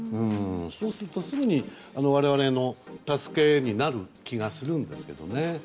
そうすると、すぐに我々の助けになる気がしますけどね。